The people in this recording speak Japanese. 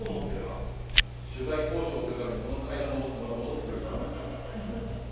取材交渉するためにこの階段上ってまた戻ってくるんですか。